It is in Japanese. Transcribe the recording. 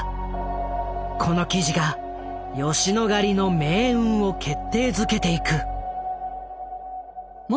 この記事が吉野ヶ里の命運を決定づけていく。